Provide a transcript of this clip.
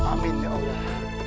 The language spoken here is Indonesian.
amin ya allah